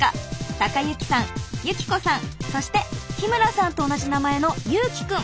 隆之さん由紀子さんそして日村さんと同じ名前の祐希くん。